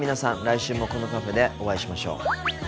来週もこのカフェでお会いしましょう。